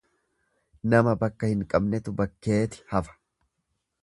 Nama bakka hin qabnetu bakkeeti hafa.